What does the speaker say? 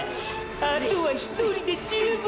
あとは１人で十分や！！